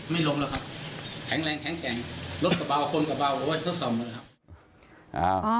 ไม่ลงแล้วครับแข็งแรงแข็งแข็งรสก็เบาคนก็เบารสก็เบาเลยครับ